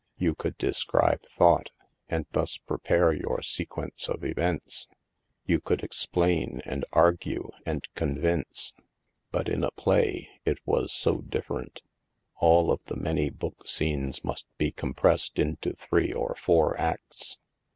You could describe thought, and thus prepare your se quence of events. You could explain, and argue, and convince. But in a play, it was so different. All of the many book scenes must be compressed into three or four acts.